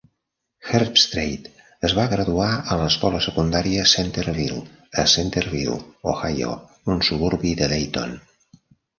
Herbstreit es va graduar a l'escola secundària Centerville a Centerville, Ohio, un suburbi de Dayton.